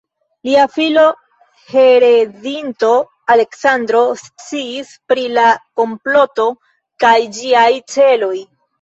Lia filo, heredinto Aleksandro sciis pri la komploto kaj ĝiaj celoj.